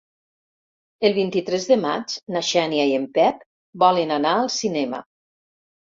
El vint-i-tres de maig na Xènia i en Pep volen anar al cinema.